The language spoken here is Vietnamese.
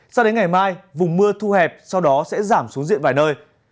sao đến ngày mai vùng mưa thu hẹp sau đó sẽ giảm xuống diện vài nơi